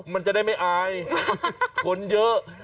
มันจะได้ไม่อายคนเยอะ